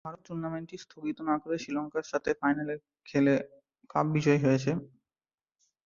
ভারত টুর্নামেন্টটি স্থগিত না করে শ্রীলঙ্কার সাথে ফাইনালে খেলে কাপ বিজয়ী হয়েছে।